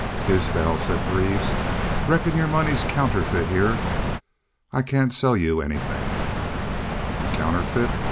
"'Isbel,' said Greaves, 'reckon your money's counterfeit hyar. I cain't sell you anythin'.' "'Counterfeit?